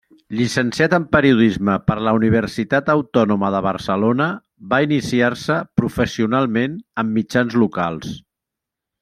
Llicenciat en Periodisme per la Universitat Autònoma de Barcelona, va iniciar-se professionalment en mitjans locals.